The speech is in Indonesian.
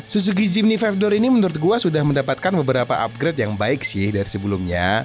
suzuki jimni vendor ini menurut gue sudah mendapatkan beberapa upgrade yang baik sih dari sebelumnya